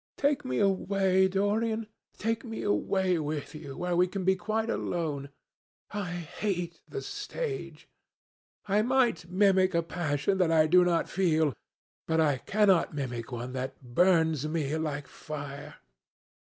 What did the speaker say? Take me away, Dorian—take me away with you, where we can be quite alone. I hate the stage. I might mimic a passion that I do not feel, but I cannot mimic one that burns me like fire.